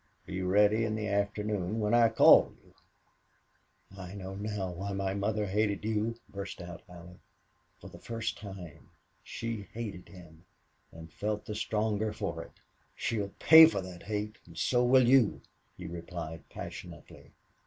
"Be ready in the afternoon when I call you." "I know now why my mother hated you," burst out Allie. For the first time she too hated him, and felt the stronger for it. "She'll pay for that hate, and so will you," he replied, passionately.